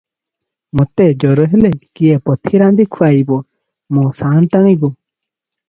ମୋତେ ଜର ହେଲେ କିଏ ପଥି ରାନ୍ଧି ଖୁଆଇବ, ମୋ ସାଆନ୍ତାଣି ଗୋ!